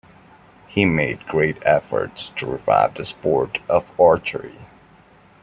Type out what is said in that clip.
He made great efforts to revive the sport of archery.